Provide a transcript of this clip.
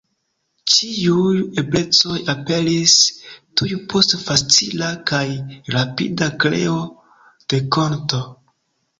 Ĉiuj eblecoj aperis tuj post facila kaj rapida kreo de konto.